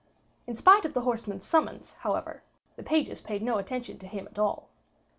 In spite of the horseman's summons, however, the pages paid no attention to him at all.